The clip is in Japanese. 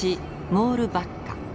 モールバッカ。